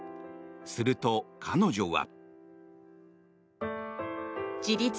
すると、彼女は。